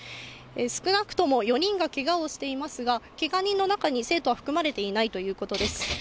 少なくとも４人がけがをしていますが、けが人の中に生徒は含まれていないということです。